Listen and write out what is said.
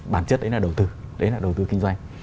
bản chất đấy là đầu tư đấy là đầu tư kinh doanh